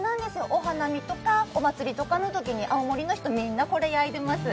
お花見とかお祭りとかのときに、青森の人、みんなこれ焼いてます。